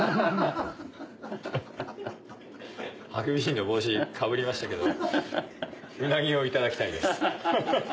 ハクビシンの帽子かぶりましたけどうなぎをいただきたいです。